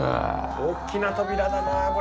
おっきな扉だなこれ。